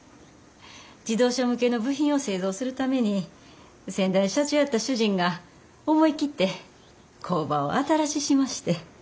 自動車向けの部品を製造するために先代社長やった主人が思い切って工場を新ししまして。